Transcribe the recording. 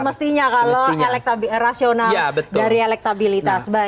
mestinya kalau rasional dari elektabilitas